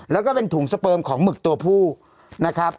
แล้วก็เป็นถุงสเปิมของหมึกตัวผู้นะครับ